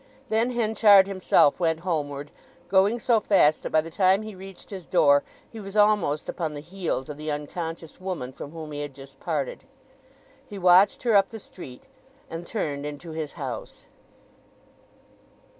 Then Henchard himself went homeward, going so fast that by the time he reached his door he was almost upon the heels of the unconscious woman from whom he had just parted. He watched her up the street, and turned into his house.